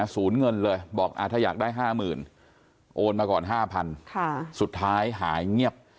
ศูนย์เงินเลยบอกถ้าอยากได้๕๐๐๐โอนมาก่อน๕๐๐สุดท้ายหายเงียบ